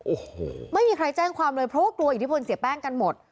โอ้โหไม่มีใครแจ้งความเลยเพราะว่ากลัวอิทธิพลเสียแป้งกันหมด